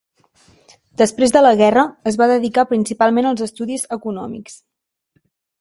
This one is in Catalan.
Després de la guerra es va dedicar principalment als estudis econòmics.